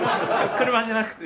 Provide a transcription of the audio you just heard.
車じゃなくて。